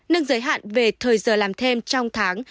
nâng giới hạn về thời giờ làm thêm trong tháng